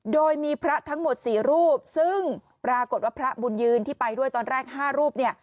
โดยมีพระทั้งหมด๔รูปซึ่งปรากฏว่าพระบุญยืนที่ไปด้วยตอนแรก๕รูปเนี่ย